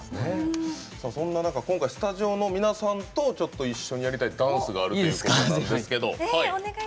そんな中、今回スタジオの皆さんと一緒にやりたいダンスがあるということなんですけど。